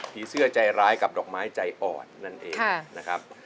เสื้อใจร้ายกับดอกไม้ใจอ่อนนั่นเองนะครับ